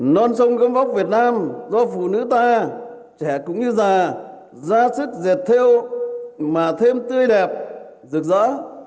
nón sông gâm vóc việt nam do phụ nữ ta trẻ cũng như già ra sức dệt theo mà thêm tươi đẹp rực rỡ